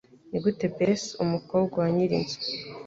Nigute Bess, umukobwa wa nyirinzu,